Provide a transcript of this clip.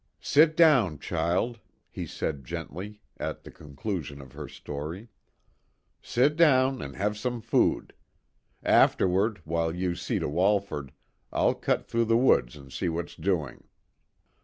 "Sit down, child," he said gently, at the conclusion of her story. "Sit down and have some food. Afterward, while you see to Walford, I'll cut through the woods and see what's doing."